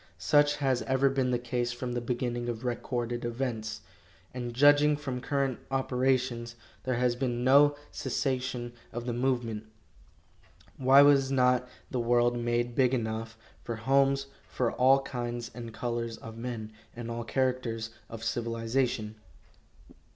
Such has ever been the case from the beginning of recorded events, and judging from current operations, there has been no cessation of the movement. Why was not the world made big enough for homes for all kinds and colors of men, and all characters of civilization?